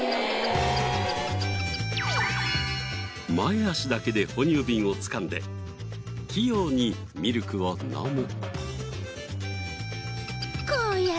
前足だけで哺乳瓶をつかんで器用にミルクを飲む。